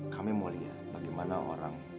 kami mau lihat bagaimana orang